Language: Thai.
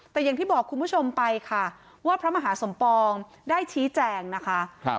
แต่อย่างที่บอกคุณผู้ชมไปค่ะว่าพระมหาสมปองได้ชี้แจงนะคะ